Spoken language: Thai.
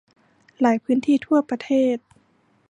หลายพื้นที่ทั่วประเทศ